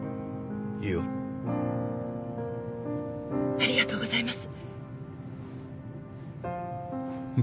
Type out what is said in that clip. ありがとうございます。